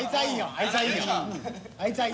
あいつはいいよ。